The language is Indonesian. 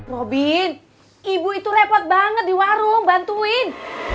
robin ibu itu repot banget di warung bantuin